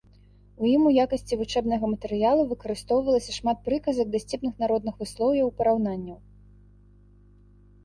У ім у якасці вучэбнага матэрыялу выкарыстоўвалася шмат прыказак, дасціпных народных выслоўяў, параўнанняў.